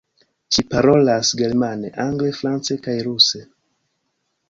Ŝi parolas germane, angle, france kaj ruse.